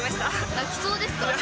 泣きそうですか？